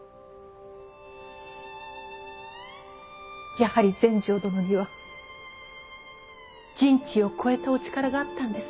やはり全成殿には人知を超えたお力があったんですね。